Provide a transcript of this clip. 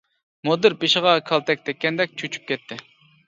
مۇدىر بېشىغا كالتەك تەگكەندەك چۆچۈپ كەتتى.